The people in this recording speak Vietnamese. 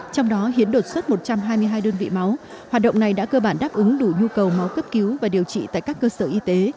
trong đó hiến đột xuất một trăm hai mươi hai đơn vị máu hoạt động này đã cơ bản đáp ứng đủ nhu cầu máu cấp cứu và điều trị tại các cơ sở y tế